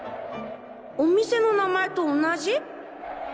お店の名前と同じ？